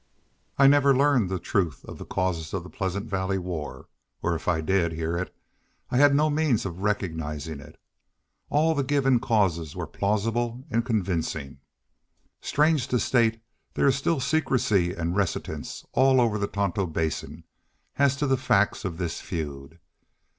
I never learned the truth of the cause of the Pleasant Valley War, or if I did hear it I had no means of recognizing it. All the given causes were plausible and convincing. Strange to state, there is still secrecy and reticence all over the Tonto Basin as to the facts of this feud.